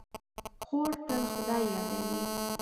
خور تل خدای یادوي.